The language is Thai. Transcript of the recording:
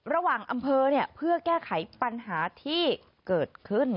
ระหว่างอำเภอเพื่อแก้ไขปัญหาที่เกิดขึ้น